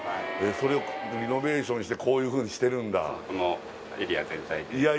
それをリノベーションしてこういうふうにしてるんだ